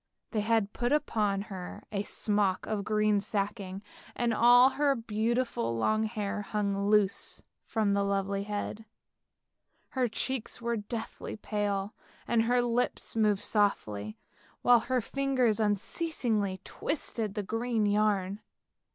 They had put upon THE WILD SWANS 51 her a smock of green sacking, and all her beautiful long hair hung loose from the lovely head. Her cheeks were deathly pale, and her lips moved softly, while her fingers unceasingly twisted the green yarn.